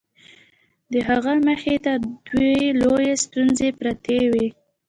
د هغه مخې ته دوې لويې ستونزې پرتې وې.